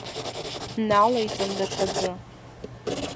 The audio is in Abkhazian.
Налаиҵон даҽаӡәы.